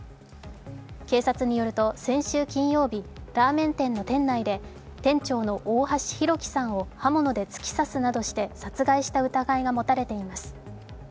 警察によると、先週金曜日、ラーメン店の店内で店長の大橋弘輝さんを刃物で突き刺すなどして殺害した疑いが持たれています。